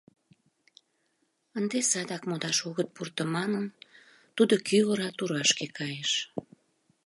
Ынде садак модаш огыт пурто манын, тудо кӱ ора турашке кайыш.